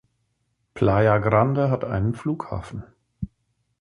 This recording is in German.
Playa Grande hat einen Flughafen.